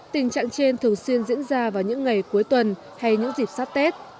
tình trạng trên thường xuyên diễn ra vào những ngày cuối tuần hay những dịp sắp tết